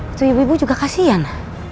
itu ibu ibu juga kasian